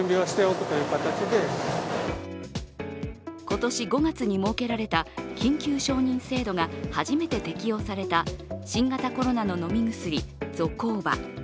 今年５月に設けられた緊急承認制度が初めて適用された新型コロナの飲み薬、ゾコーバ。